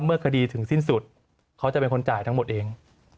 เมื่อคดีถึงสิ้นสุดเขาจะเป็นคนจ่ายทั้งหมดเอง